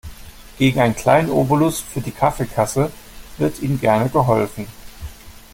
Gegen einen kleinen Obolus für die Kaffeekasse wird Ihnen gerne geholfen.